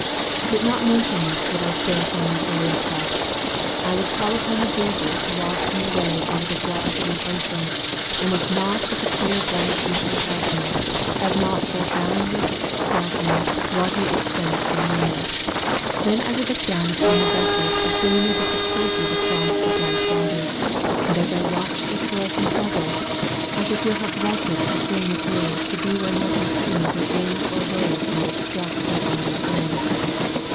But not motionless would I stay upon that aerial couch. I would call upon the breezes to waft me away over the broad blue ocean, and with nought but the clear bright ether above me, have nought but a boundless, sparkling, watery expanse below me. Then I would look down upon the vessels pursuing their different courses across the bright waters; and as I watched their toilsome progress, I should feel how blessed a thing it is to be where no impediment of wind or wave might obstruct my onward way.